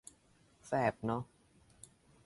แสบเนอะ